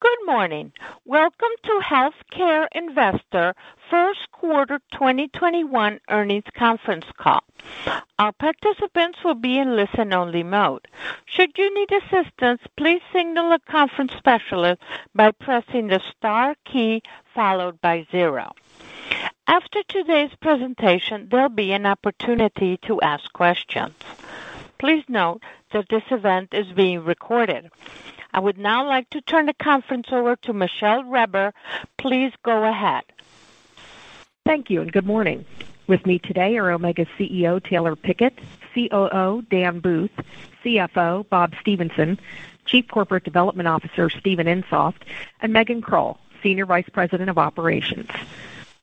Good morning. Welcome to Omega Healthcare Investors First Quarter 2021 Earnings Conference Call. All participants will be in listen-only mode. Should you need assistance, please signal a conference specialist by pressing the star key followed by zero. After today's presentation, there will be an opportunity to ask questions. Please note that this event is being recorded. I would now like to turn the conference over to Michele Reber. Please go ahead. Thank you, good morning. With me today are Omega CEO, Taylor Pickett, COO, Dan Booth, CFO, Bob Stephenson, Chief Corporate Development Officer, Steven Insoft, and Megan Krull, Senior Vice President of Operations.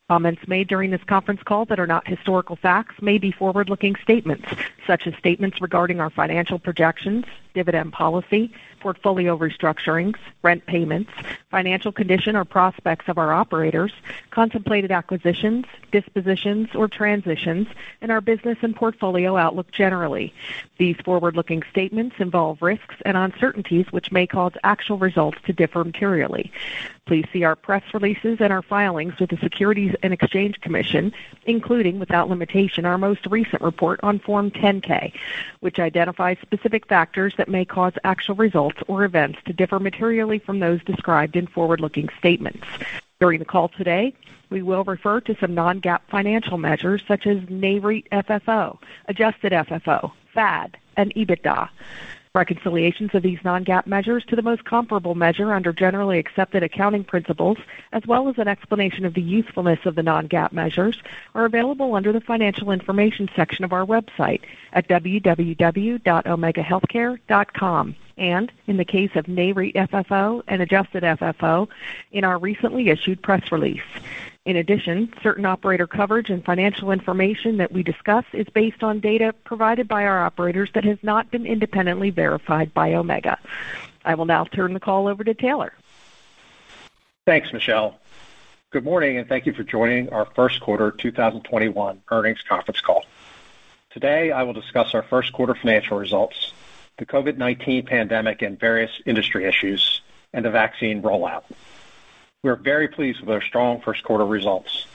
Comments made during this conference call that are not historical facts may be forward-looking statements, such as statements regarding our financial projections, dividend policy, portfolio restructurings, rent payments, financial condition, or prospects of our operators, contemplated acquisitions, dispositions, or transitions in our business and portfolio outlook generally. These forward-looking statements involve risks and uncertainties which may cause actual results to differ materially. Please see our press releases and our filings with the Securities and Exchange Commission, including, without limitation, our most recent report on Form 10-K, which identifies specific factors that may cause actual results or events to differ materially from those described in forward-looking statements. During the call today, we will refer to some non-GAAP financial measures such as NAREIT FFO, Adjusted FFO, FAD, and EBITDA. Reconciliations of these non-GAAP measures to the most comparable measure under generally accepted accounting principles, as well as an explanation of the usefulness of the non-GAAP measures, are available under the financial information section of our website at www.omegahealthcare.com, and in the case of NAREIT FFO and Adjusted FFO, in our recently issued press release. In addition, certain operator coverage and financial information that we discuss is based on data provided by our operators that has not been independently verified by Omega. I will now turn the call over to Taylor. Thanks, Michele. Good morning, and thank you for joining our first quarter 2021 earnings conference call. Today, I will discuss our first quarter financial results, the COVID-19 pandemic and various industry issues, and the vaccine rollout. We are very pleased with our strong first quarter results.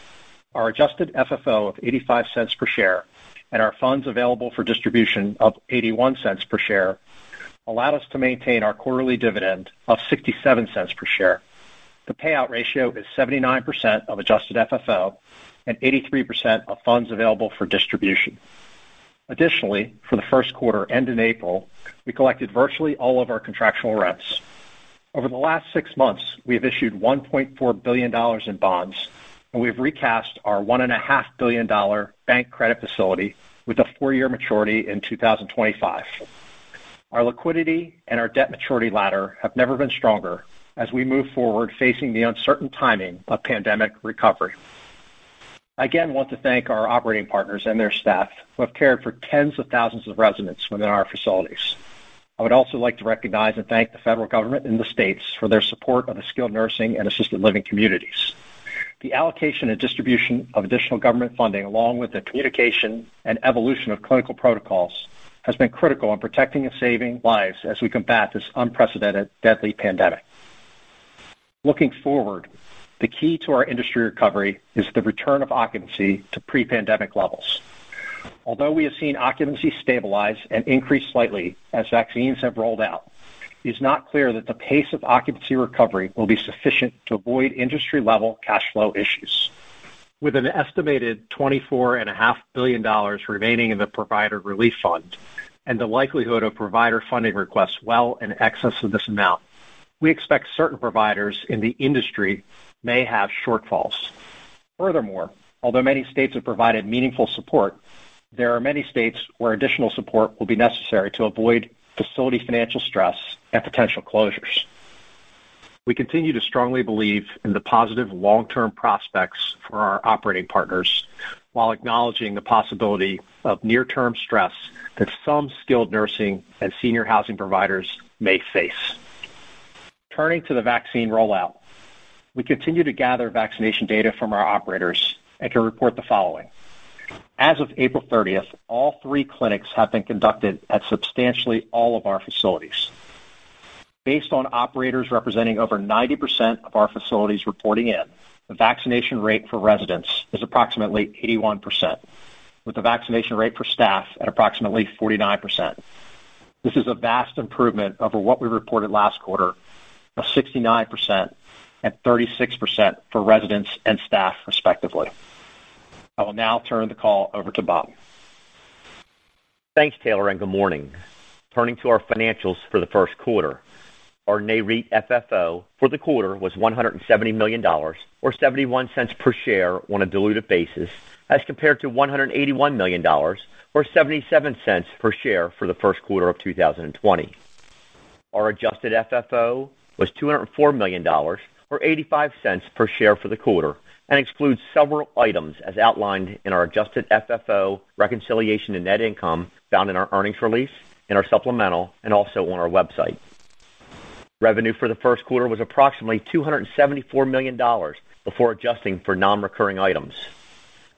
Our Adjusted FFO of $0.85 per share and our funds available for distribution of $0.81 per share allowed us to maintain our quarterly dividend of $0.67 per share. The payout ratio is 79% of Adjusted FFO and 83% of funds available for distribution. Additionally, for the first quarter end in April, we collected virtually all of our contractual rents. Over the last six months, we have issued $1.4 billion in bonds, and we've recast our $1.5 billion bank credit facility with a four-year maturity in 2025. Our liquidity and our debt maturity ladder have never been stronger as we move forward facing the uncertain timing of pandemic recovery. I again want to thank our operating partners and their staff who have cared for tens of thousands of residents within our facilities. I would also like to recognize and thank the federal government and the states for their support of the skilled nursing and assisted living communities. The allocation and distribution of additional government funding, along with the communication and evolution of clinical protocols, has been critical in protecting and saving lives as we combat this unprecedented, deadly pandemic. Looking forward, the key to our industry recovery is the return of occupancy to pre-pandemic levels. Although we have seen occupancy stabilize and increase slightly as vaccines have rolled out, it is not clear that the pace of occupancy recovery will be sufficient to avoid industry-level cash flow issues. With an estimated $24.5 billion remaining in the Provider Relief Fund and the likelihood of provider funding requests well in excess of this amount, we expect certain providers in the industry may have shortfalls. Furthermore, although many states have provided meaningful support, there are many states where additional support will be necessary to avoid facility financial stress and potential closures. We continue to strongly believe in the positive long-term prospects for our operating partners while acknowledging the possibility of near-term stress that some skilled nursing and senior housing providers may face. Turning to the vaccine rollout, we continue to gather vaccination data from our operators and can report the following. As of April 30th, all three clinics have been conducted at substantially all of our facilities. Based on operators representing over 90% of our facilities reporting in, the vaccination rate for residents is approximately 81%, with the vaccination rate for staff at approximately 49%. This is a vast improvement over what we reported last quarter of 69% and 36% for residents and staff respectively. I will now turn the call over to Bob. Thanks, Taylor. Good morning. Turning to our financials for the first quarter, our NAREIT FFO for the quarter was $170 million, or $0.71 per share on a diluted basis as compared to $181 million or $0.77 per share for the first quarter of 2020. Our Adjusted FFO was $204 million or $0.85 per share for the quarter and excludes several items as outlined in our Adjusted FFO reconciliation to net income found in our earnings release, in our supplemental, and also on our website. Revenue for the first quarter was approximately $274 million before adjusting for non-recurring items.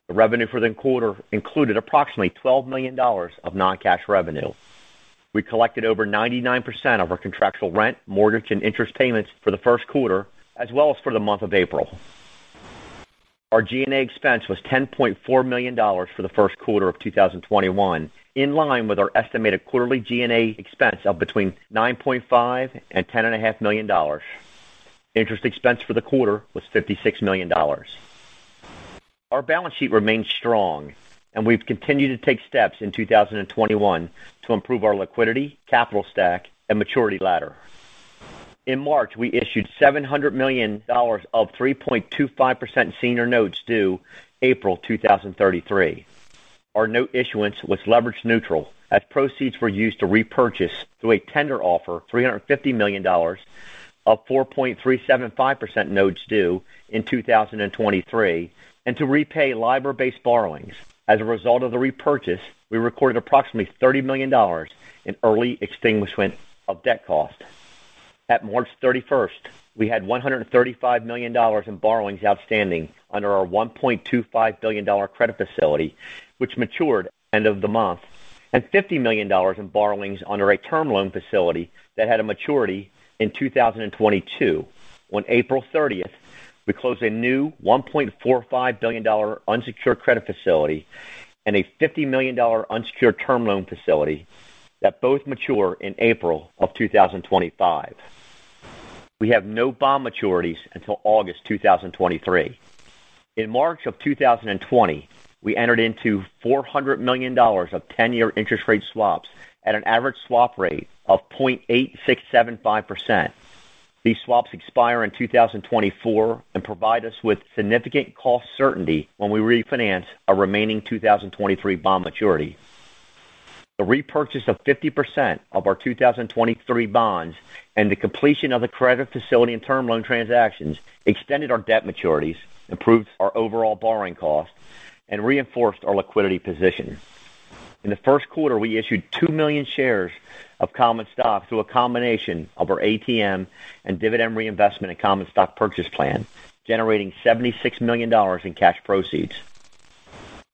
The revenue for the quarter included approximately $12 million of non-cash revenue. We collected over 99% of our contractual rent, mortgage, and interest payments for the first quarter, as well as for the month of April. Our G&A expense was $10.4 million for the first quarter of 2021, in line with our estimated quarterly G&A expense of between $9.5 million and $10.5 million. Interest expense for the quarter was $56 million. Our balance sheet remains strong, and we've continued to take steps in 2021 to improve our liquidity, capital stack, and maturity ladder. In March, we issued $700 million of 3.25% senior notes due April 2033. Our note issuance was leverage neutral, as proceeds were used to repurchase, through a tender offer, $350 million of 4.375% notes due in 2023 and to repay LIBOR-based borrowings. As a result of the repurchase, we recorded approximately $30 million in early extinguishment of debt cost. At March 31st, we had $135 million in borrowings outstanding under our $1.25 billion credit facility, which matured end of the month, and $50 million in borrowings under a term loan facility that had a maturity in 2022. On April 30th, we closed a new $1.45 billion unsecured credit facility and a $50 million unsecured term loan facility that both mature in April of 2025. We have no bond maturities until August 2023. In March of 2020, we entered into $400 million of 10-year interest rate swaps at an average swap rate of 0.8675%. These swaps expire in 2024 and provide us with significant cost certainty when we refinance our remaining 2023 bond maturity. The repurchase of 50% of our 2023 bonds and the completion of the credit facility and term loan transactions extended our debt maturities, improved our overall borrowing costs, and reinforced our liquidity position. In the first quarter, we issued 2 million shares of common stock through a combination of our ATM and dividend reinvestment and common stock purchase plan, generating $76 million in cash proceeds.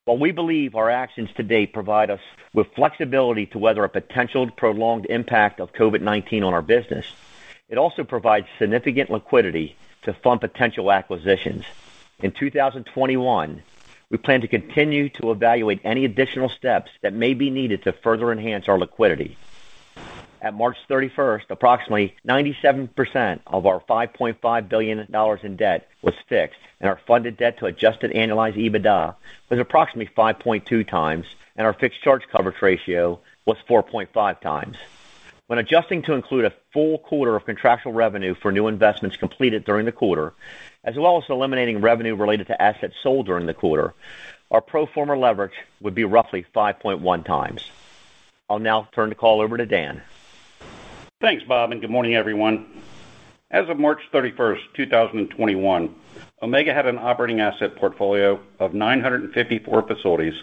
While we believe our actions to date provide us with flexibility to weather a potential prolonged impact of COVID-19 on our business, it also provides significant liquidity to fund potential acquisitions. In 2021, we plan to continue to evaluate any additional steps that may be needed to further enhance our liquidity. At March 31st, approximately 97% of our $5.5 billion in debt was fixed, and our funded debt to adjusted annualized EBITDA was approximately 5.2 times, and our fixed charge coverage ratio was 4.5 times. When adjusting to include a full quarter of contractual revenue for new investments completed during the quarter, as well as eliminating revenue related to assets sold during the quarter, our pro forma leverage would be roughly 5.1 times. I'll now turn the call over to Dan. Thanks, Bob, and good morning, everyone. As of March 31st, 2021, Omega had an operating asset portfolio of 954 facilities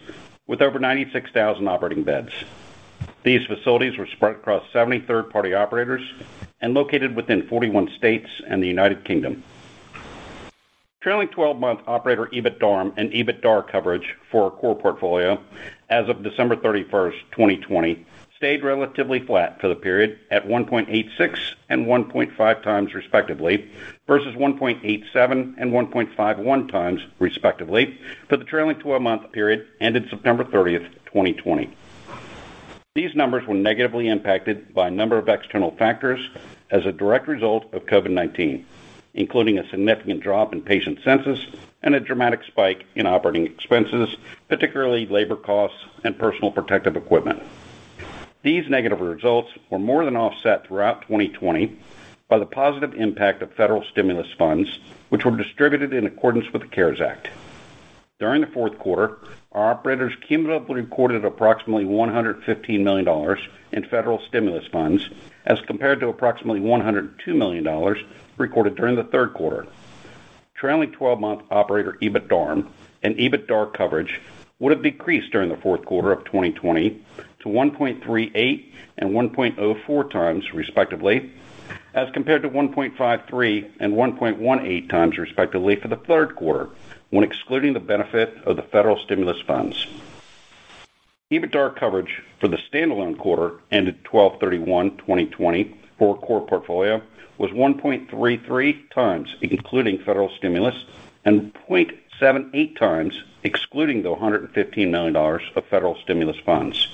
with over 96,000 operating beds. These facilities were spread across 73 third-party operators and located within 41 states and the United Kingdom. Trailing 12-month operator EBITDARM and EBITDA coverage for our core portfolio as of December 31st, 2020, stayed relatively flat for the period at 1.86 and 1.5 times, respectively, versus 1.87 and 1.51 times, respectively, for the trailing 12-month period ended September 30th, 2020. These numbers were negatively impacted by a number of external factors as a direct result of COVID-19, including a significant drop in patient census and a dramatic spike in operating expenses, particularly labor costs and personal protective equipment. These negative results were more than offset throughout 2020 by the positive impact of federal stimulus funds, which were distributed in accordance with the CARES Act. During the fourth quarter, our operators cumulatively recorded approximately $115 million in federal stimulus funds as compared to approximately $102 million recorded during the third quarter. Trailing 12-month operator EBITDARM and EBITDA coverage would have decreased during the fourth quarter of 2020 to 1.38 and 1.04 times, respectively, as compared to 1.53 and 1.18 times, respectively, for the third quarter, when excluding the benefit of the federal stimulus funds. EBITDA coverage for the standalone quarter ended 12/31/2020 for our core portfolio was 1.33 times, including federal stimulus, and 0.78 times excluding the $115 million of federal stimulus funds.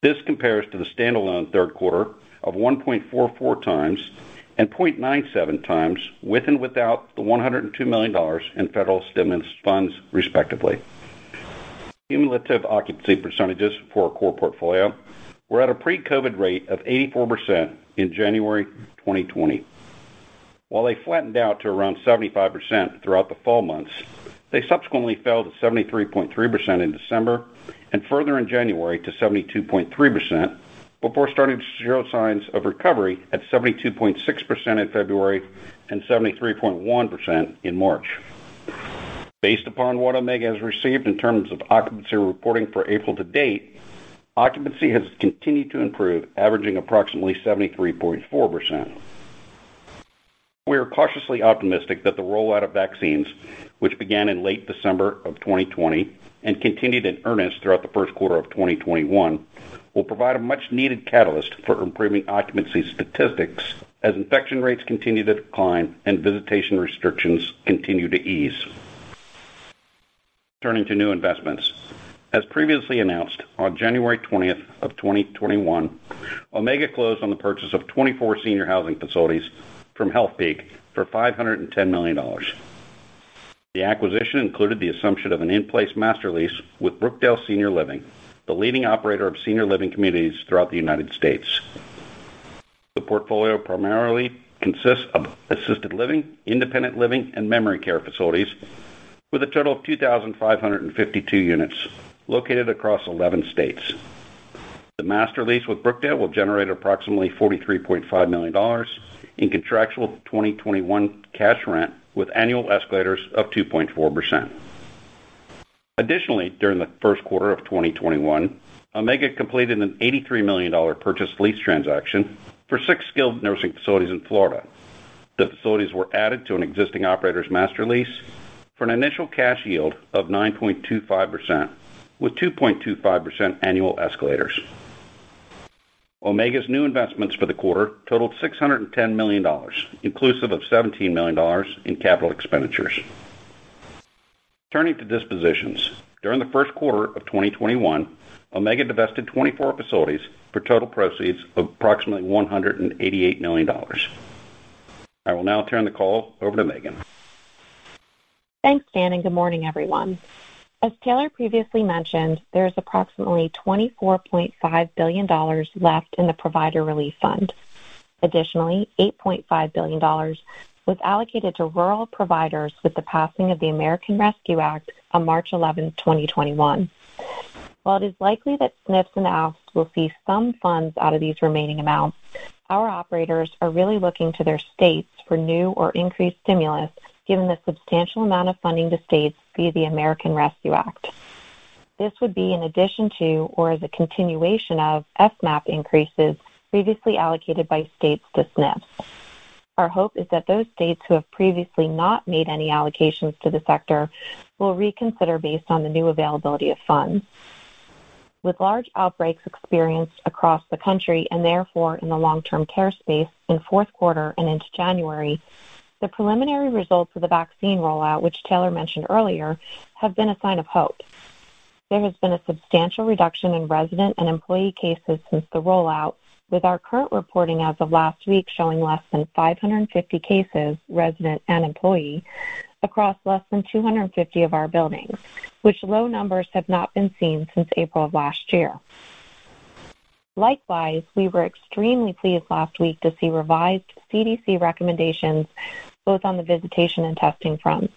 This compares to the standalone third quarter of 1.44 times and 0.97 times with and without the $102 million in federal stimulus funds, respectively. Cumulative occupancy percentages for our core portfolio were at a pre-COVID-19 rate of 84% in January 2020. While they flattened out to around 75% throughout the fall months, they subsequently fell to 73.3% in December and further in January to 72.3% before starting to show signs of recovery at 72.6% in February and 73.1% in March. Based upon what Omega has received in terms of occupancy reporting for April to date, occupancy has continued to improve, averaging approximately 73.4%. We are cautiously optimistic that the rollout of vaccines, which began in late December of 2020 and continued in earnest throughout the first quarter of 2021, will provide a much-needed catalyst for improving occupancy statistics as infection rates continue to decline and visitation restrictions continue to ease. Turning to new investments. As previously announced, on January 20th of 2021, Omega closed on the purchase of 24 senior housing facilities from Healthpeak for $510 million. The acquisition included the assumption of an in-place master lease with Brookdale Senior Living, the leading operator of senior living communities throughout the United States. The portfolio primarily consists of assisted living, independent living, and memory care facilities with a total of 2,552 units located across 11 states. The master lease with Brookdale will generate approximately $43.5 million in contractual 2021 cash rent, with annual escalators of 2.4%. Additionally, during the first quarter of 2021, Omega completed an $83 million purchase lease transaction for six skilled nursing facilities in Florida. The facilities were added to an existing operator's master lease for an initial cash yield of 9.25%, with 2.25% annual escalators. Omega's new investments for the quarter totaled $610 million, inclusive of $17 million in capital expenditures. Turning to dispositions. During the first quarter of 2021, Omega divested 24 facilities for total proceeds of approximately $188 million. I will now turn the call over to Megan. Thanks, Dan, and good morning, everyone. As Taylor previously mentioned, there is approximately $24.5 billion left in the Provider Relief Fund. Additionally, $8.5 billion was allocated to rural providers with the passing of the American Rescue Act on March 11, 2021. While it is likely that SNFs and ALFs will see some funds out of these remaining amounts, our operators are really looking to their states for new or increased stimulus given the substantial amount of funding to states via the American Rescue Act. This would be in addition to, or as a continuation of, FMAP increases previously allocated by states to SNFs. Our hope is that those states who have previously not made any allocations to the sector will reconsider based on the new availability of funds. With large outbreaks experienced across the country, and therefore in the long-term care space in fourth quarter and into January, the preliminary results of the vaccine rollout, which Taylor mentioned earlier, have been a sign of hope. There has been a substantial reduction in resident and employee cases since the rollout, with our current reporting as of last week showing less than 550 cases, resident and employee, across less than 250 of our buildings, which low numbers have not been seen since April of last year. Likewise, we were extremely pleased last week to see revised CDC recommendations both on the visitation and testing fronts.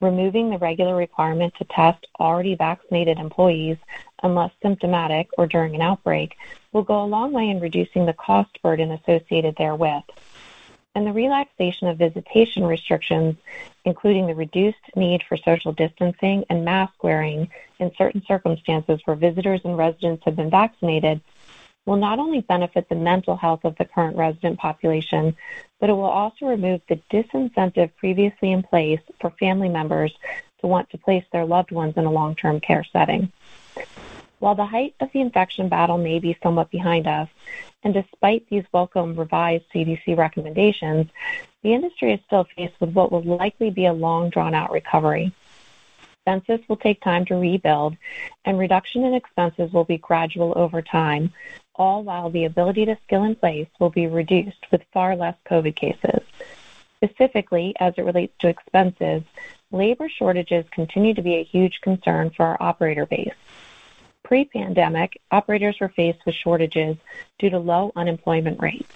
Removing the regular requirement to test already vaccinated employees unless symptomatic or during an outbreak will go a long way in reducing the cost burden associated therewith. The relaxation of visitation restrictions, including the reduced need for social distancing and mask-wearing in certain circumstances where visitors and residents have been vaccinated, will not only benefit the mental health of the current resident population, but it will also remove the disincentive previously in place for family members to want to place their loved ones in a long-term care setting. While the height of the infection battle may be somewhat behind us, and despite these welcome revised CDC recommendations, the industry is still faced with what will likely be a long, drawn-out recovery. Census will take time to rebuild, and reduction in expenses will be gradual over time, all while the ability to skill in place will be reduced with far less COVID cases. Specifically, as it relates to expenses, labor shortages continue to be a huge concern for our operator base. Pre-pandemic, operators were faced with shortages due to low unemployment rates.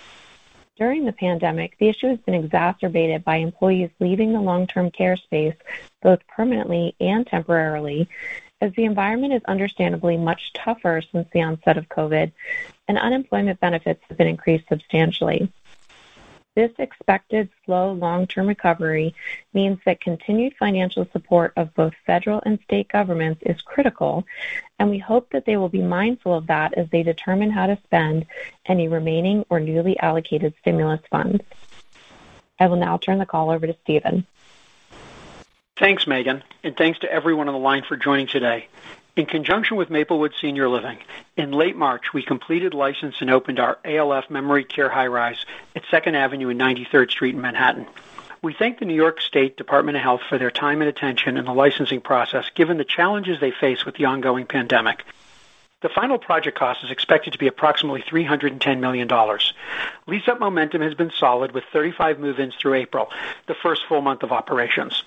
During the pandemic, the issue has been exacerbated by employees leaving the long-term care space both permanently and temporarily, as the environment is understandably much tougher since the onset of COVID, and unemployment benefits have been increased substantially. This expected slow long-term recovery means that continued financial support of both federal and state governments is critical, and we hope that they will be mindful of that as they determine how to spend any remaining or newly allocated stimulus funds. I will now turn the call over to Steven. Thanks, Megan. Thanks to everyone on the line for joining today. In conjunction with Maplewood Senior Living, in late March, we completed license and opened our ALF memory care high-rise at Second Avenue and 93rd Street in Manhattan. We thank the New York State Department of Health for their time and attention in the licensing process, given the challenges they face with the ongoing pandemic. The final project cost is expected to be approximately $310 million. Lease-up momentum has been solid, with 35 move-ins through April, the first full month of operations.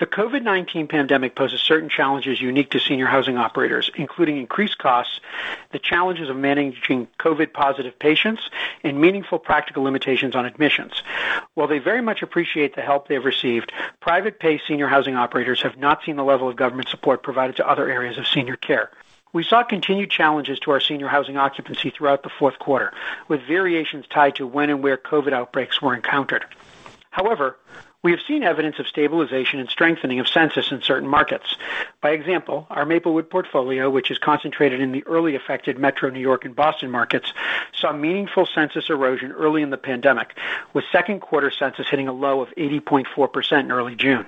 The COVID-19 pandemic poses certain challenges unique to senior housing operators, including increased costs, the challenges of managing COVID-positive patients, and meaningful practical limitations on admissions. While they very much appreciate the help they've received, private pay senior housing operators have not seen the level of government support provided to other areas of senior care. We saw continued challenges to our senior housing occupancy throughout the fourth quarter, with variations tied to when and where COVID outbreaks were encountered. However, we have seen evidence of stabilization and strengthening of census in certain markets. By example, our Maplewood portfolio, which is concentrated in the early affected metro New York and Boston markets, saw meaningful census erosion early in the pandemic, with second quarter census hitting a low of 80.4% in early June.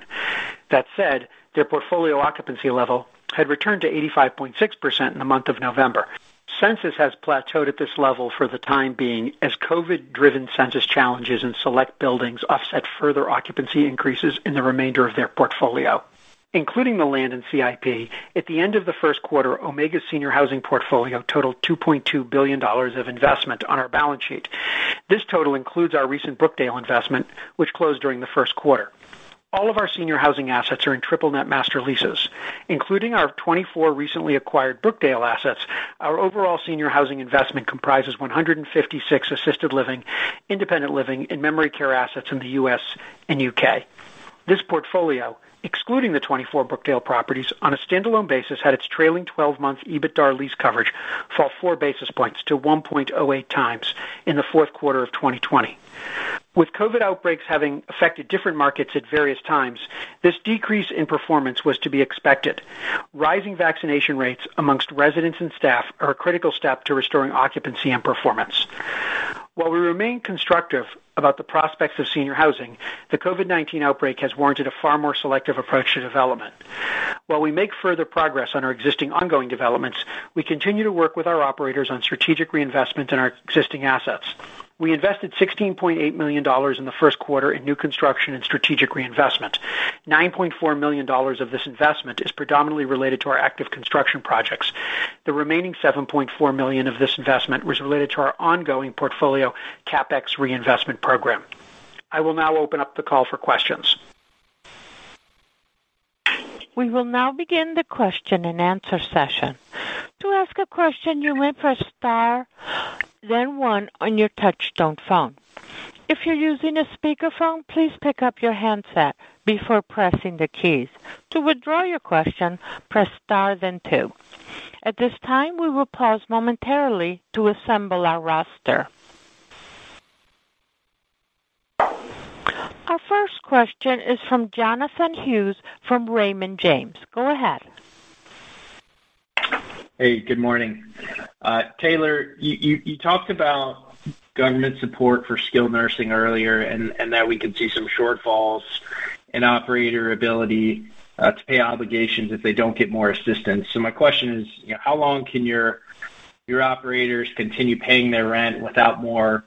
That said, their portfolio occupancy level had returned to 85.6% in the month of November. Census has plateaued at this level for the time being, as COVID driven census challenges in select buildings offset further occupancy increases in the remainder of their portfolio. Including the land in CIP, at the end of the first quarter, Omega's senior housing portfolio totaled $2.2 billion of investment on our balance sheet. This total includes our recent Brookdale investment, which closed during the first quarter. All of our senior housing assets are in triple net master leases, including our 24 recently acquired Brookdale assets. Our overall senior housing investment comprises 156 assisted living, independent living, and memory care assets in the U.S. and U.K. This portfolio, excluding the 24 Brookdale properties, on a standalone basis, had its trailing 12-month EBITDA lease coverage fall four basis points to 1.08 times in the fourth quarter of 2020. With COVID-19 outbreaks having affected different markets at various times, this decrease in performance was to be expected. Rising vaccination rates amongst residents and staff are a critical step to restoring occupancy and performance. While we remain constructive about the prospects of senior housing, the COVID-19 outbreak has warranted a far more selective approach to development. While we make further progress on our existing ongoing developments, we continue to work with our operators on strategic reinvestment in our existing assets. We invested $16.8 million in the first quarter in new construction and strategic reinvestment. $9.4 million of this investment is predominantly related to our active construction projects. The remaining $7.4 million of this investment was related to our ongoing portfolio CapEx reinvestment program. I will now open up the call for questions. We will now begin the question and answer session. To ask a question, you may press star then one on your touch-tone phone. If you're using a speakerphone, please pick up your handset before pressing the keys. To withdraw your question, press star then two. At this time, we will pause momentarily to assemble our roster. Our first question is from Jonathan Hughes from Raymond James. Go ahead. Hey, good morning. Taylor, you talked about government support for skilled nursing earlier. That we could see some shortfalls in operator ability to pay obligations if they don't get more assistance. My question is, how long can your operators continue paying their rent without more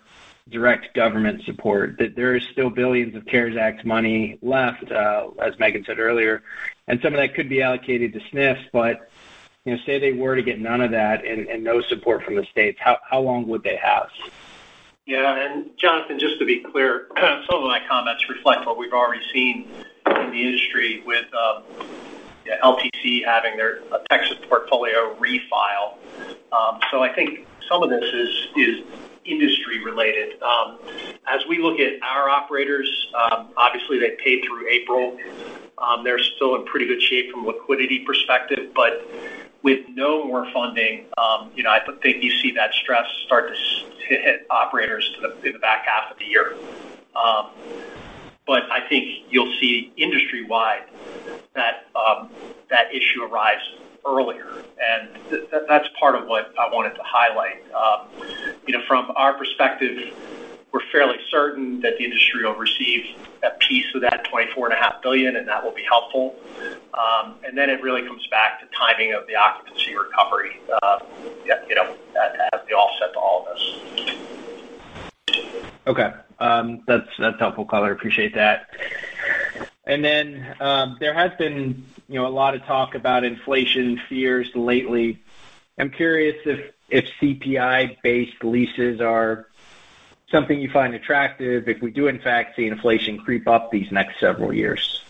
direct government support? There is still billions of CARES Act money left, as Megan said earlier. Some of that could be allocated to SNFs. Say they were to get none of that, no support from the states, how long would they last? Jonathan, just to be clear, some of my comments reflect what we've already seen in the industry with LTC having their Texas portfolio refile. I think some of this is industry-related. As we look at our operators, obviously they paid through April. They're still in pretty good shape from a liquidity perspective, but with no more funding, I think you see that stress start to hit operators in the back half of the year. I think you'll see industry-wide that issue arise earlier, and that's part of what I wanted to highlight. From our perspective, we're fairly certain that the industry will receive a piece of that $24.5 billion, and that will be helpful. It really comes back to timing of the occupancy recovery as the offset to all of this. Okay. That's helpful, Taylor, appreciate that. There has been a lot of talk about inflation fears lately. I'm curious if CPI-based leases are something you find attractive if we do in fact see inflation creep up these next several years.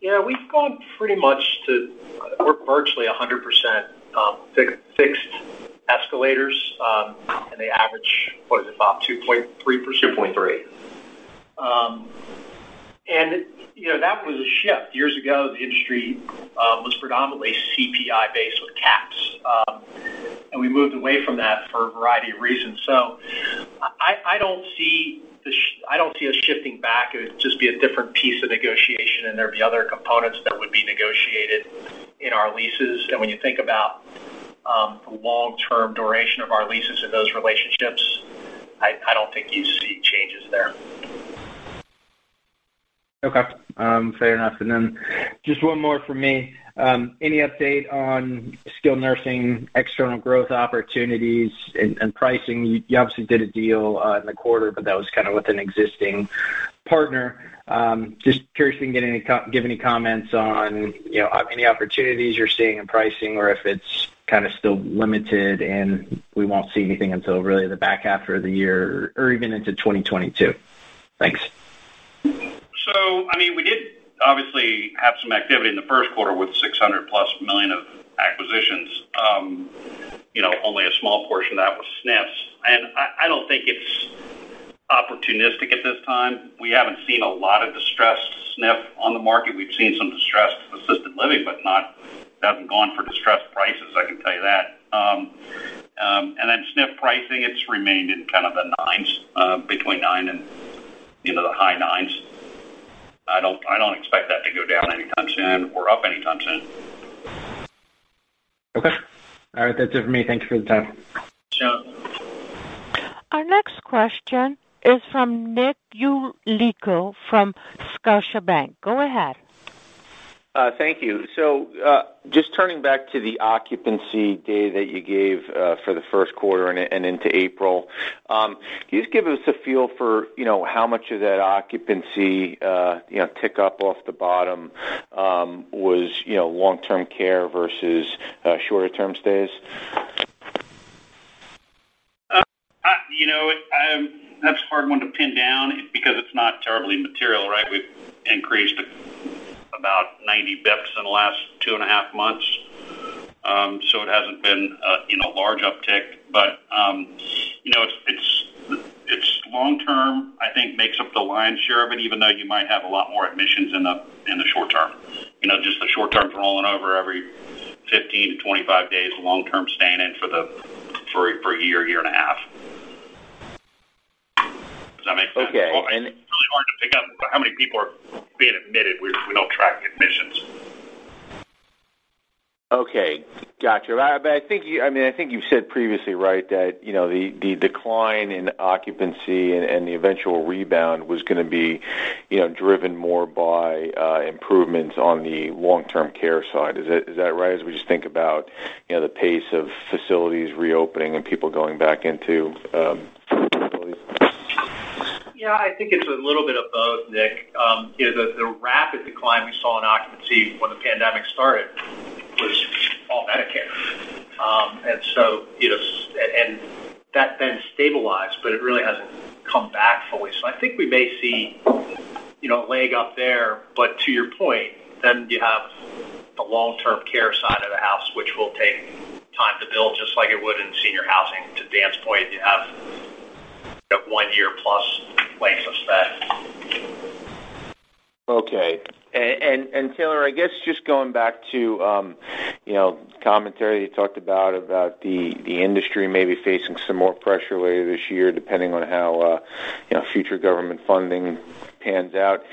Yeah, we've gone pretty much to we're virtually 100% fixed escalators, and they average, what is it, about 2.3%? 2.3%. That was a shift. Years ago, the industry was predominantly CPI based with caps, and we moved away from that for a variety of reasons. I don't see us shifting back. It would just be a different piece of negotiation, and there'd be other components that would be negotiated in our leases. When you think about the long-term duration of our leases and those relationships, I don't think you see changes there. Okay. Fair enough. Just one more from me. Any update on skilled nursing external growth opportunities and pricing? You obviously did a deal in the quarter, but that was kind of with an existing partner. Just curious if you can give any comments on any opportunities you're seeing in pricing or if it's kind of still limited and we won't see anything until really the back half of the year, or even into 2022. Thanks. We did obviously have some activity in the first quarter with $600-plus million of acquisitions. Only a small portion of that was SNFs. I don't think it's opportunistic at this time. We haven't seen a lot of distressed SNF on the market. We've seen some distressed assisted living, but hasn't gone for distressed prices. SNF pricing, it's remained in kind of the nines, between nine and the high nines. I don't expect that to go down anytime soon or up anytime soon. Okay. All right, that's it for me. Thank you for the time. Sure. Our next question is from Nick Yulico from Scotiabank. Go ahead. Thank you. Just turning back to the occupancy data that you gave for the first quarter and into April, can you just give us a feel for how much of that occupancy tick up off the bottom was long-term care versus shorter term stays? That's a hard one to pin down because it's not terribly material, right? We've increased about 90 basis points in the last two and a half months. It hasn't been a large uptick, but its long-term, I think, makes up the lion's share of it, even though you might have a lot more admissions in the short-term. Just the short-term's rolling over every 15-25 days, long-term's staying in for a year and a half. Does that make sense? Okay. It's really hard to pick up how many people are being admitted. We don't track admissions. Okay. Got you. I think you've said previously, right, that the decline in occupancy and the eventual rebound was going to be driven more by improvements on the long-term care side. Is that right? As we just think about the pace of facilities reopening and people going back into facilities. Yeah, I think it's a little bit of both, Nick. The rapid decline we saw in occupancy when the pandemic started was all Medicare. That then stabilized, but it really hasn't come back fully. I think we may see a leg up there, but to your point, then you have the long-term care side of the house, which will take time to build, just like it would in senior housing. To Dan's point, you have one year plus length of stay. Okay. Taylor, I guess just going back to commentary, you talked about the industry maybe facing some more pressure later this year, depending on how future government funding pans out.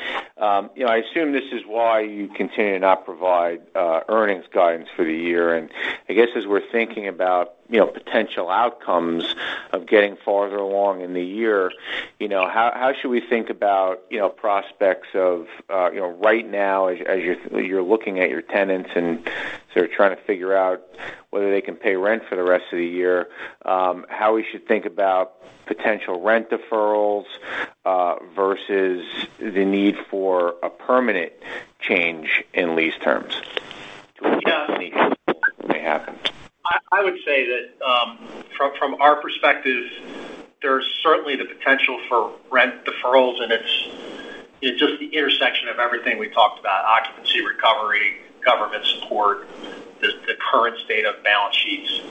I assume this is why you continue to not provide earnings guidance for the year. I guess, as we're thinking about potential outcomes of getting farther along in the year, how should we think about prospects of right now, as you're looking at your tenants and sort of trying to figure out whether they can pay rent for the rest of the year, how we should think about potential rent deferrals versus the need for a permanent change in lease terms? Yeah. May happen. I would say that from our perspective, there's certainly the potential for rent deferrals. It's just the intersection of everything we talked about, occupancy recovery, government support, the current state of balance sheets.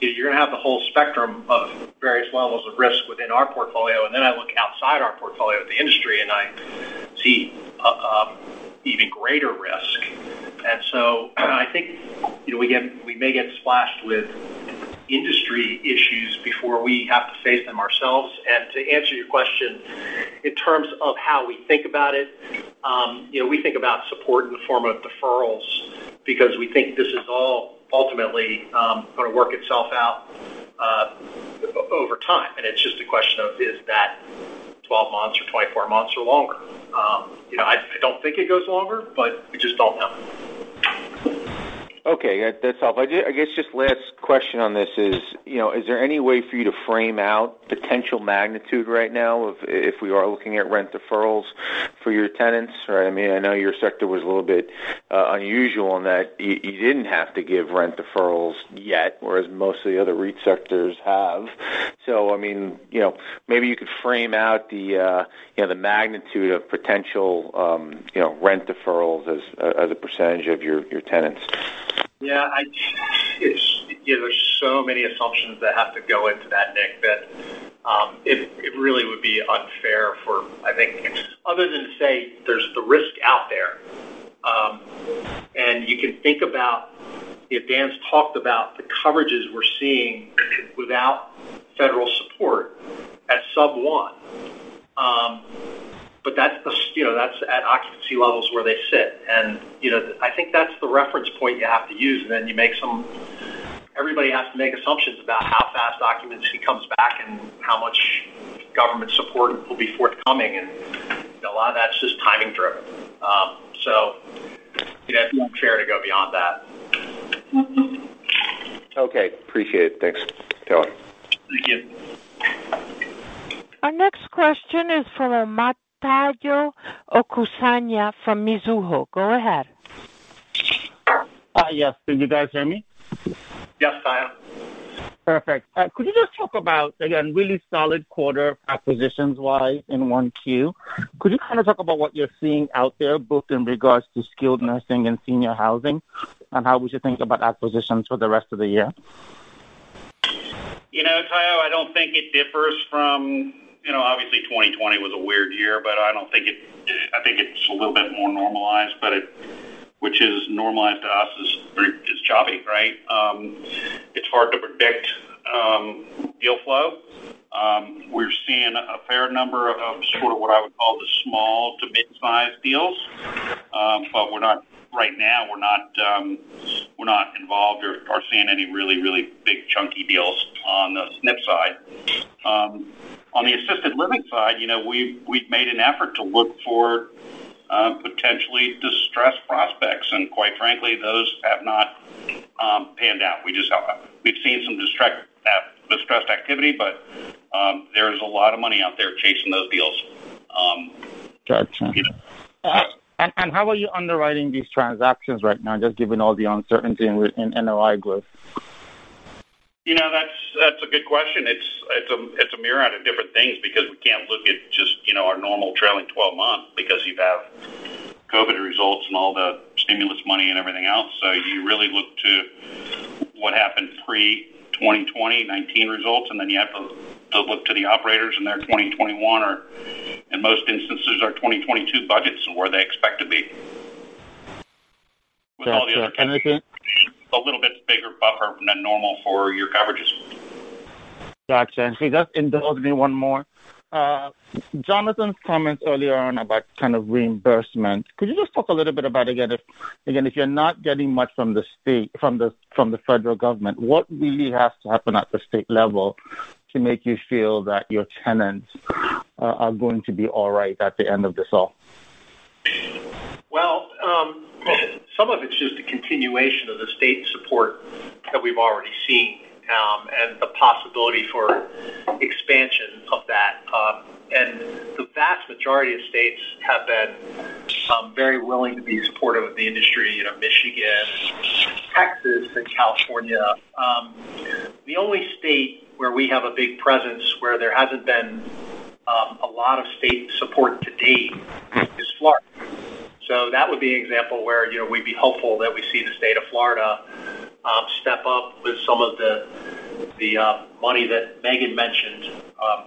You're going to have the whole spectrum of various levels of risk within our portfolio. I look outside our portfolio at the industry, and I see even greater risk. I think we may get splashed with industry issues before we have to face them ourselves. To answer your question, in terms of how we think about it, we think about support in the form of deferrals because we think this is all ultimately going to work itself out over time, and it's just a question of, is that 12 months or 24 months or longer? I don't think it goes longer. We just don't know. Okay, that's all. I guess just last question on this is there any way for you to frame out potential magnitude right now if we are looking at rent deferrals for your tenants? I know your sector was a little bit unusual in that you didn't have to give rent deferrals yet, whereas most of the other REIT sectors have. Maybe you could frame out the magnitude of potential rent deferrals as a percentage of your tenants. Yeah. There's so many assumptions that have to go into that, Nick, that it really would be unfair for, I think, other than to say there's the risk out there. You can think about if Dan's talked about the coverages we're seeing without federal support at sub one. That's at occupancy levels where they sit, and I think that's the reference point you have to use, and then everybody has to make assumptions about how fast occupancy comes back and how much government support will be forthcoming, and a lot of that's just timing driven. It's unfair to go beyond that. Okay. Appreciate it. Thanks, Taylor. Thank you. Our next question is from Omotayo Okusanya from Mizuho. Go ahead. Yes. Can you guys hear me? Yes, Tayo. Perfect. Could you just talk about, again, really solid quarter acquisitions-wise in 1Q. Could you kind of talk about what you're seeing out there, both in regards to skilled nursing and senior housing, and how we should think about acquisitions for the rest of the year? Tayo, I don't think it differs from. Obviously, 2020 was a weird year, but I think it's a little bit more. Which is normalized to us is choppy, right? It's hard to predict deal flow. We're seeing a fair number of sort of what I would call the small to mid-size deals. Right now we're not involved or seeing any really big chunky deals on the SNF side. On the assisted living side, we've made an effort to look for potentially distressed prospects, and quite frankly, those have not panned out. We've seen some distressed activity, but there's a lot of money out there chasing those deals. Got you. How are you underwriting these transactions right now, just given all the uncertainty in NOI growth? That's a good question. It's a myriad of different things because we can't look at just our normal trailing 12 months because you have COVID results and all the stimulus money and everything else. You really look to what happened pre-2020, 2019 results, and then you have to look to the operators in their 2021 or in most instances, our 2022 budgets and where they expect to be. Got you. With all the other conditions, a little bit bigger buffer than normal for your coverages. Got you. Just indulge me one more. Jonathan's comments earlier on about kind of reimbursement, could you just talk a little bit about, again, if you're not getting much from the federal government, what really has to happen at the state level to make you feel that your tenants are going to be all right at the end of this all? Some of it's just a continuation of the state support that we've already seen, and the possibility for expansion of that. The vast majority of states have been very willing to be supportive of the industry, Michigan, Texas, and California. The only state where we have a big presence where there hasn't been a lot of state support to date is Florida. That would be an example where we'd be hopeful that we see the state of Florida step up with some of the money that Megan mentioned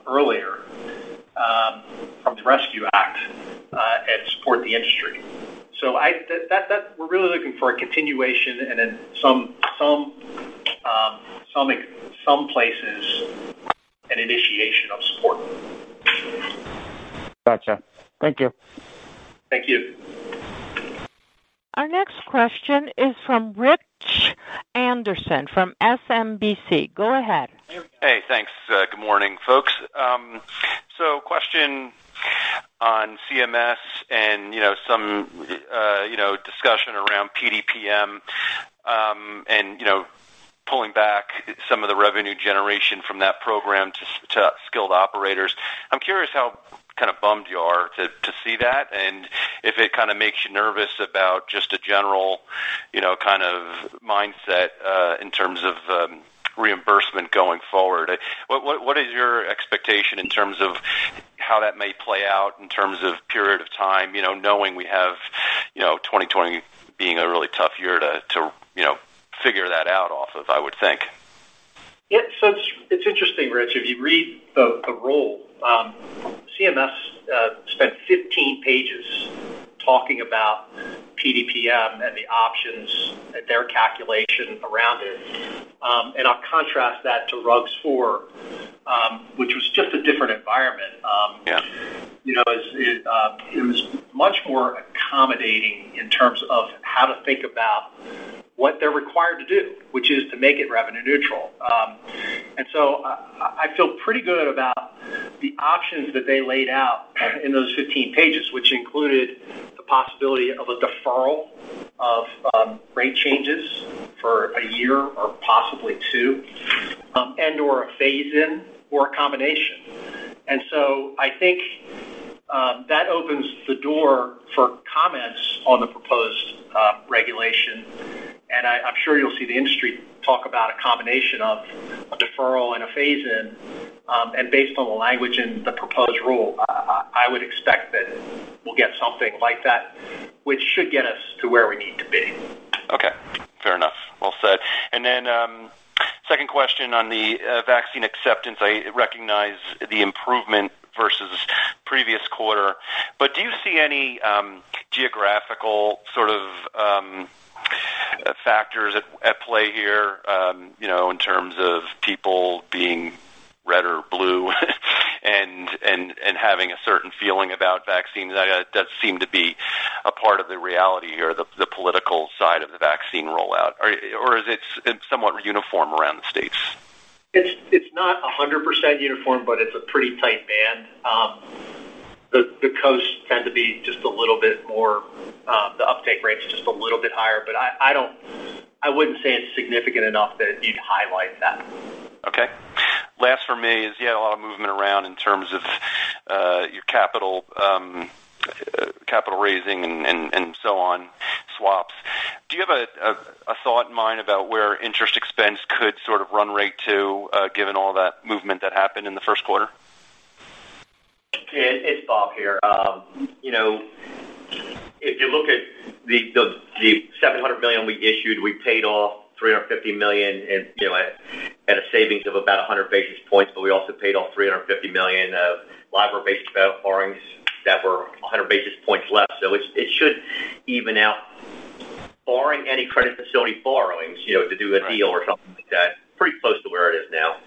earlier, from the Rescue Act, and support the industry. We're really looking for a continuation and in some places, an initiation of support. Got you. Thank you. Thank you. Our next question is from Rich Anderson from SMBC. Go ahead. Hey, thanks. Good morning, folks. Question on CMS and some discussion around PDPM and pulling back some of the revenue generation from that program to skilled operators. I'm curious how kind of bummed you are to see that, and if it kind of makes you nervous about just a general kind of mindset, in terms of reimbursement going forward. What is your expectation in terms of how that may play out in terms of period of time, knowing we have 2020 being a really tough year to figure that out off of, I would think? It's interesting, Rich. If you read the rule, CMS spent 15 pages talking about PDPM and the options at their calculation around it. I'll contrast that to RUG-IV, which was just a different environment. Yeah. It was much more accommodating in terms of how to think about what they're required to do, which is to make it revenue neutral. I feel pretty good about the options that they laid out in those 15 pages, which included the possibility of a deferral of rate changes for a year or possibly two and/or a phase-in or a combination. I think that opens the door for comments on the proposed regulation, and I'm sure you'll see the industry talk about a combination of a deferral and a phase-in. Based on the language in the proposed rule, I would expect that we'll get something like that, which should get us to where we need to be. Okay. Fair enough. Well said. Second question on the vaccine acceptance. I recognize the improvement versus previous quarter, but do you see any geographical sort of factors at play here, in terms of people being red or blue and having a certain feeling about vaccines? That does seem to be a part of the reality here, the political side of the vaccine rollout. Is it somewhat uniform around the states? It's not 100% uniform, but it's a pretty tight band. The coast tend to be just a little bit more, the uptake rate's just a little bit higher, but I wouldn't say it's significant enough that you'd highlight that. Okay. Last for me is you had a lot of movement around in terms of your capital raising and so on, swaps. Do you have a thought in mind about where interest expense could sort of run rate to, given all that movement that happened in the first quarter? It's Bob here. If you look at the $700 million we issued, we paid off $350 million and at a savings of about 100 basis points, but we also paid off $350 million of LIBOR-based borrowings that were 100 basis points less. It should even out. Any credit facility borrowings to do a deal or something like that. Pretty close to where it is now.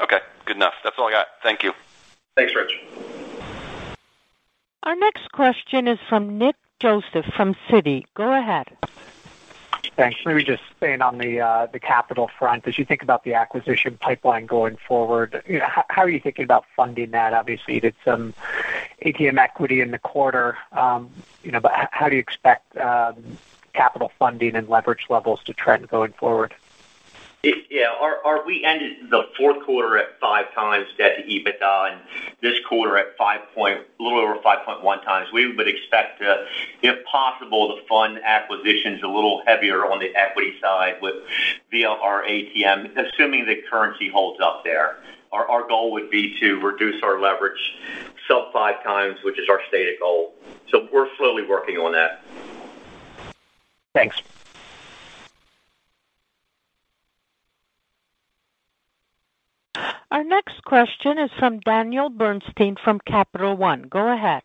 Okay, good enough. That's all I got. Thank you. Thanks, Rich. Our next question is from Nick Joseph from Citi. Go ahead. Thanks. Maybe just staying on the capital front, as you think about the acquisition pipeline going forward, how are you thinking about funding that? Obviously, you did some ATM equity in the quarter, but how do you expect capital funding and leverage levels to trend going forward? Yeah. We ended the fourth quarter at 5 times debt to EBITDA, this quarter a little over 5.1 times. We would expect, if possible, to fund acquisitions a little heavier on the equity side via our ATM, assuming the currency holds up there. Our goal would be to reduce our leverage sub 5 times, which is our stated goal. We're slowly working on that. Thanks. Our next question is from Daniel Bernstein from Capital One. Go ahead.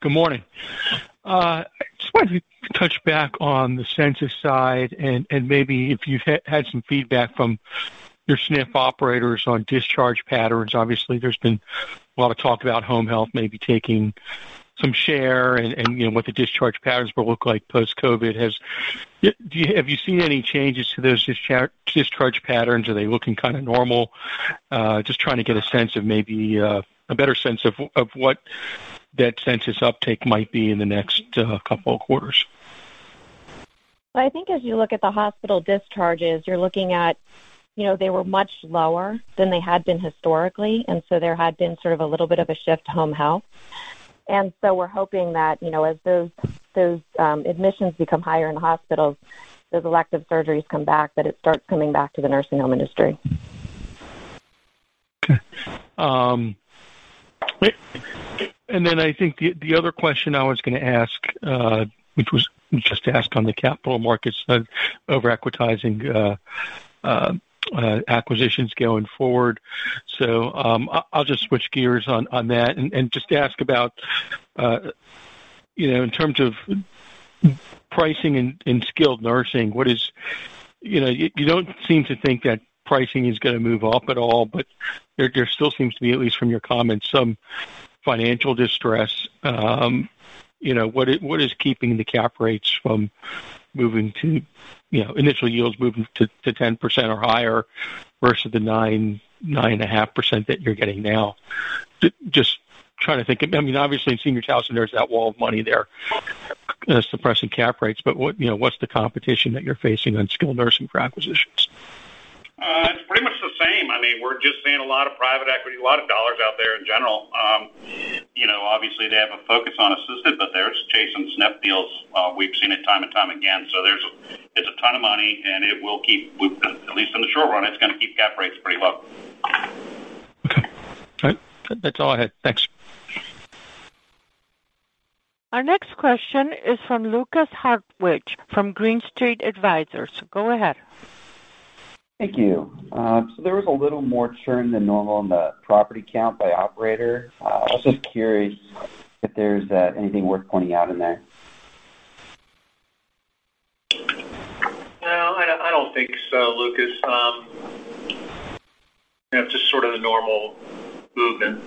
Good morning. I just wanted to touch back on the census side and maybe if you've had some feedback from your SNF operators on discharge patterns. Obviously, there's been a lot of talk about home health maybe taking some share and what the discharge patterns will look like post-COVID. Have you seen any changes to those discharge patterns? Are they looking kind of normal? Just trying to get a better sense of what that census uptake might be in the next couple of quarters. Well, I think as you look at the hospital discharges, you're looking at, they were much lower than they had been historically, there had been sort of a little bit of a shift to home health. We're hoping that, as those admissions become higher in hospitals, those elective surgeries come back, that it starts coming back to the nursing home industry. Okay. I think the other question I was going to ask, which was just to ask on the capital markets over equitizing acquisitions going forward. I'll just switch gears on that and just ask about, in terms of pricing in skilled nursing. You don't seem to think that pricing is going to move up at all, but there still seems to be, at least from your comments, some financial distress. What is keeping the cap rates from initial yields moving to 10% or higher versus the 9%-9.5% that you're getting now? Just trying to think. Obviously, in senior housing, there's that wall of money there suppressing cap rates. What's the competition that you're facing on skilled nursing for acquisitions? It's pretty much the same. We're just seeing a lot of private equity, a lot of dollars out there in general. Obviously, they have a focus on assisted, they're chasing SNF deals. We've seen it time and time again. There's a ton of money and, at least in the short run, it's going to keep cap rates pretty low. Okay. All right. That's all I had. Thanks. Our next question is from Lukas Hartwich from Green Street Advisors. Go ahead. Thank you. There was a little more churn than normal in the property count by operator. I was just curious if there is anything worth pointing out in there. No, I don't think so, Lukas. Just sort of the normal movement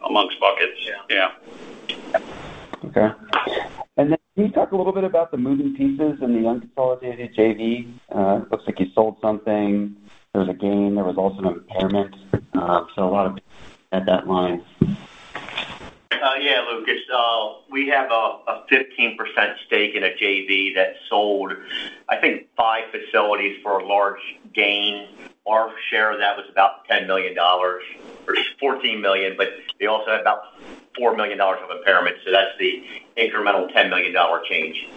amongst buckets. Yeah. Yeah. Okay. Can you talk a little bit about the moving pieces in the unconsolidated JV? It looks like you sold something. There was a gain. There was also an impairment. A lot at that line. Yeah, Lukas. We have a 15% stake in a JV that sold, I think, five facilities for a large gain. Our share of that was about $10 million, or $14 million, but we also had about $4 million of impairment. That's the incremental $10 million change.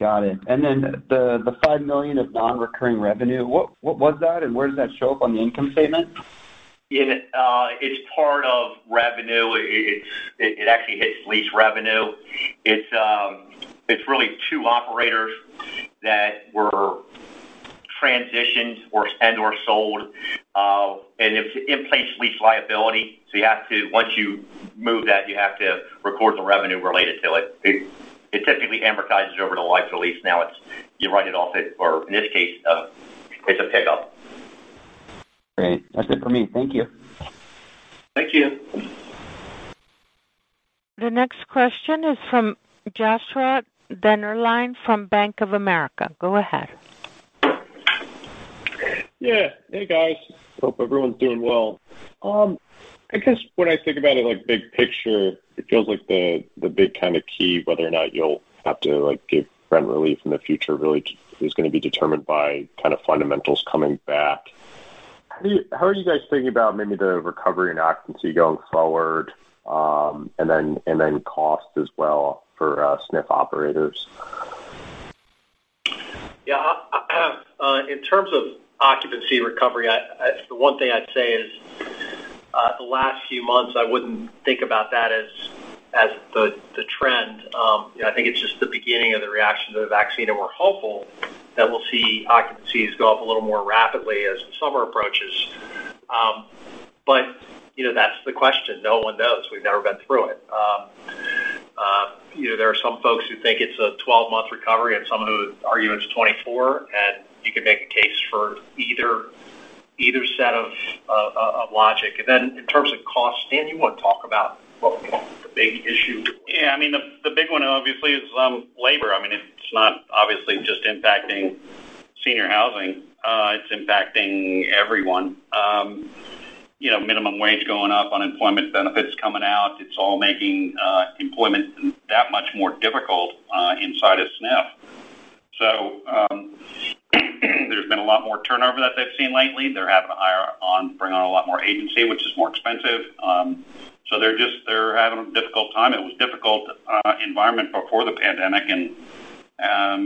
Got it. Then the $5 million of non-recurring revenue, what was that and where does that show up on the income statement? It's part of revenue. It actually hits lease revenue. It's really two operators that were transitioned and/or sold. It's an in-place lease liability, so once you move that, you have to record the revenue related to it. It typically amortizes over the life of the lease. You write it off, or in this case, it's a pickup. Great. That's it for me. Thank you. Thank you. The next question is from Joshua Dennerlein from Bank of America. Go ahead. Yeah. Hey, guys. Hope everyone's doing well. I guess when I think about it big picture, it feels like the big kind of key whether or not you'll have to give rent relief in the future really is going to be determined by fundamentals coming back. How are you guys thinking about maybe the recovery and occupancy going forward, and then cost as well for SNF operators? Yeah. In terms of occupancy recovery, the one thing I'd say is the last few months, I wouldn't think about that as the trend. I think it's just the beginning of the reaction to the vaccine, and we're hopeful that we'll see occupancies go up a little more rapidly as the summer approaches. That's the question. No one knows. We've never been through it. There are some folks who think it's a 12-month recovery and some who argue it's 24, and you could make a case for either set of logic. Then in terms of cost, Dan, you want to talk about what the big issue. Yeah. The big one obviously is labor. It's not obviously just impacting senior housing, it's impacting everyone. Minimum wage going up, unemployment benefits coming out, it's all making employment that much more difficult inside of SNF. There's been a lot more turnover that they've seen lately. They're having to bring on a lot more agency, which is more expensive. They're having a difficult time. It was a difficult environment before the pandemic, and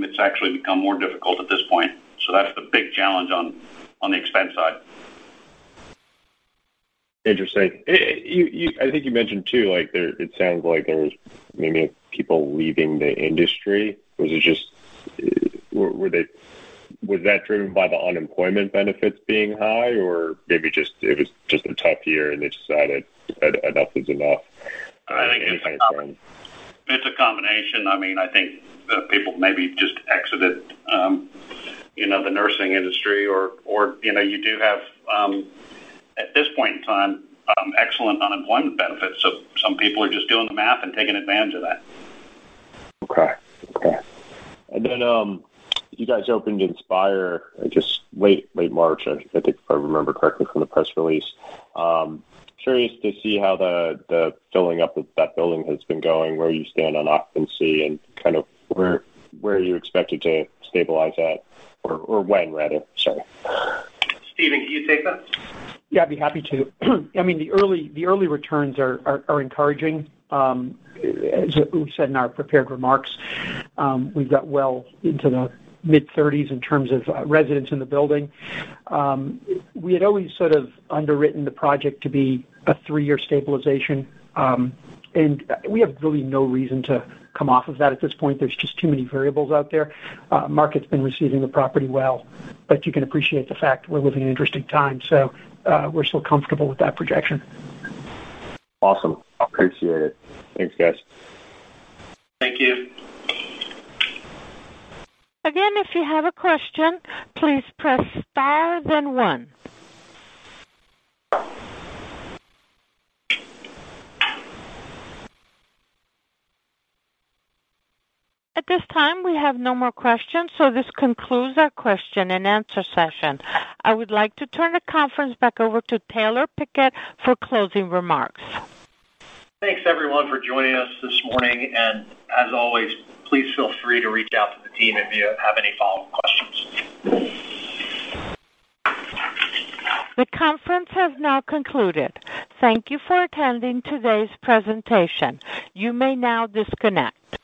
it's actually become more difficult at this point. That's the big challenge on the expense side. Interesting. I think you mentioned too, it sounds like there was many people leaving the industry. Was that driven by the unemployment benefits being high, or maybe it was just a tough year and they decided enough is enough? I think it's a combination. I think people maybe just exited the nursing industry or you do have, at this point in time, excellent unemployment benefits. Some people are just doing the math and taking advantage of that. Okay. You guys opened Inspīr just late March, I think, if I remember correctly from the press release. Curious to see how the filling up of that building has been going, where you stand on occupancy, and where you expect it to stabilize at or when, rather, sorry. Steven, can you take that? Yeah, I'd be happy to. The early returns are encouraging. As we've said in our prepared remarks, we've got well into the mid-30s in terms of residents in the building. We had always sort of underwritten the project to be a three-year stabilization, and we have really no reason to come off of that at this point. There's just too many variables out there. Market's been receiving the property well, but you can appreciate the fact we're living in interesting times, so we're still comfortable with that projection. Awesome. Appreciate it. Thanks, guys. Thank you. Again, if you have a question, please press star, then one. At this time, we have no more questions, so this concludes our question and answer session. I would like to turn the conference back over to Taylor Pickett for closing remarks. Thanks, everyone, for joining us this morning, and as always, please feel free to reach out to the team if you have any follow-up questions. The conference has now concluded. Thank you for attending today's presentation. You may now disconnect.